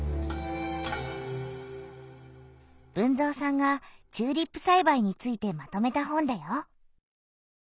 豊造さんがチューリップさいばいについてまとめた本だよ。